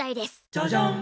「ジャジャン」